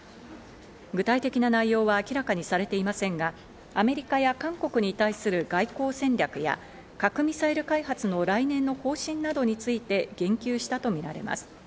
具体的な内容は明らかにされていませんが、アメリカや韓国に対する外交戦略や核・ミサイル開発の来年の方針などについて言及したとみられます。